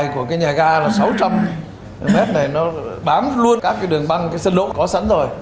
có sẵn rồi